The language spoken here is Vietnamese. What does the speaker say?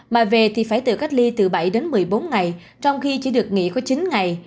mà về thì phải tự cách ly từ bảy đến một mươi bốn ngày trong khi chỉ được nghỉ có chín ngày